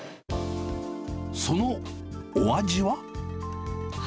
そのお味は。